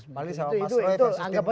yang lain gitu